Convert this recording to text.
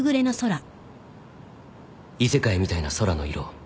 「異世界みたいな空の色」